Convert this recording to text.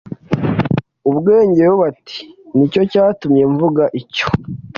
ubwenge yobu ati ni cyo cyatumye mvuga icyo